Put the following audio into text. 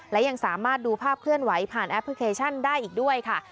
และยังสามารถดูภาพเคลื่อนไหวผ่านแอปพลิเคชันได้อีกด้วยค่ะ